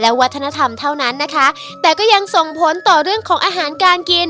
วัฒนธรรมเท่านั้นนะคะแต่ก็ยังส่งผลต่อเรื่องของอาหารการกิน